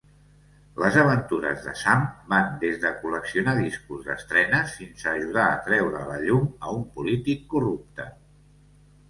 Les aventures de Sam van des de col·leccionar discos d'estrenes fins a ajudar a treure a la llum a un polític corrupte.